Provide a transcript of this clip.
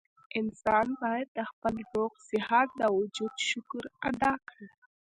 انسان بايد د خپل روغ صحت د وجود شکر ادا کړي